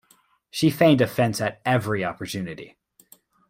She feigned offense at every opportunity.